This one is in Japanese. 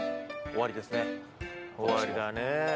終わりだね。